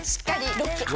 ロック！